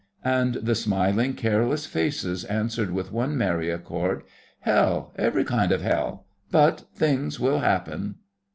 And the smiling, careless faces answered with one merry accord: 'Hell! Every kind of Hell! But—things will happen.